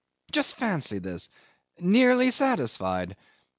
Just fancy this! Nearly satisfied.